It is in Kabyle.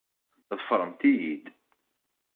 Ḍefremt-iyi-d!